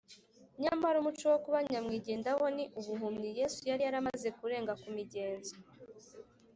Nyamara umuco wo kuba nyamwigendaho ni ubuhumyi. Yesu yari yamaze kurenga ku migenzo